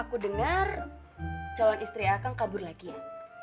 aku dengar calon istri akang kabur lagi ya